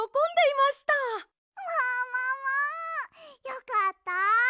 よかった。